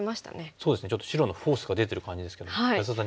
そうですねちょっと白のフォースが出てる感じですけども安田さん